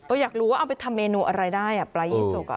โอ้ยอยากรู้ว่าเอาไปทำเมนูอะไรได้อ่ะปลายี่สกอ่ะ